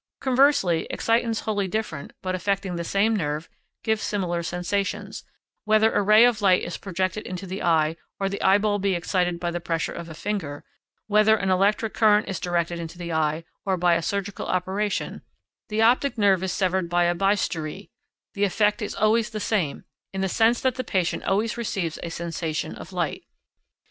Conversely, excitants wholly different, but affecting the same nerve, give similar sensations; whether a ray of light is projected into the eye, or the eyeball be excited by the pressure of a finger; whether an electric current is directed into the eye, or, by a surgical operation, the optic nerve is severed by a bistoury, the effect is always the same, in the sense that the patient always receives a sensation of light.